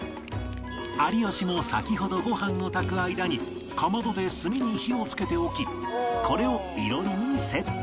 有吉も先ほどご飯を炊く間にかまどで炭に火をつけておきこれを囲炉裏にセット